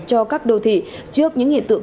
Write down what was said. cho các đô thị trước những hiện tượng